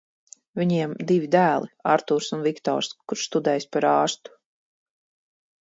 Viņiem divi dēli Arturs un Viktors, kurš studējis par ārstu.